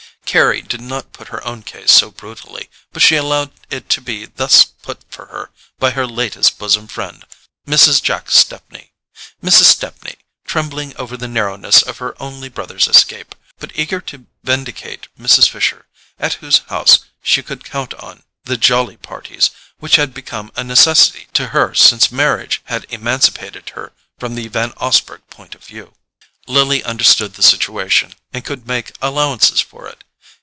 Carry did not put her own case so brutally, but she allowed it to be thus put for her by her latest bosom friend, Mrs. Jack Stepney: Mrs. Stepney, trembling over the narrowness of her only brother's escape, but eager to vindicate Mrs. Fisher, at whose house she could count on the "jolly parties" which had become a necessity to her since marriage had emancipated her from the Van Osburgh point of view. Lily understood the situation and could make allowances for it.